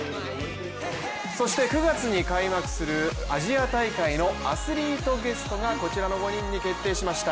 そして９月に開幕するアジア大会のアスリートゲストがこちらの５人に決定しました。